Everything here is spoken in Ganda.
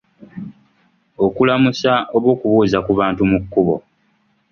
Okulamusa oba okubuuza ku bantu mu kkubo.